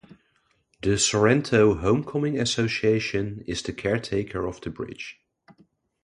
The Sorento Homecoming Association is the caretaker of the bridge.